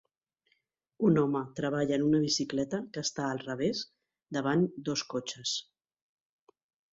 Un home treballa en una bicicleta que està al revés davant dos cotxes.